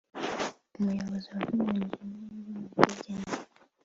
umuyobozi watumye Alijeriya ibona ubwigenge